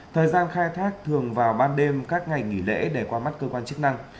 thời gian khai thác thường vào ban đêm các ngày nghỉ lễ để qua mắt cơ quan chức năng